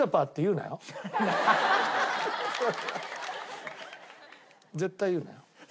高橋絶対言うなよ。